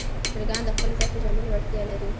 چرګان د خپل ځای پېژندلو وړتیا لري.